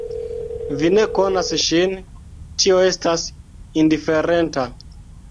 Vi ne konas ŝin, tio estas indiferenta!